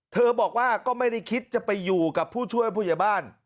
บอกว่าก็ไม่ได้คิดจะไปอยู่กับผู้ช่วยผู้ใหญ่บ้าน